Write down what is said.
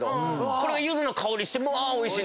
これがユズの香りしておいしい。